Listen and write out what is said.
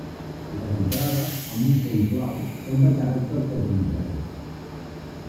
Les entrades amb un fons blau són de caràcters de control.